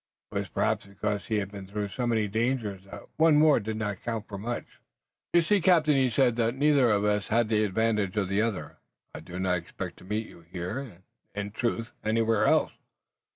It was perhaps because he had been through so many dangers that one more did not count for much. "You see, captain," he said, "that neither has the advantage of the other. I did not expect to meet you here, or in truth, anywhere else.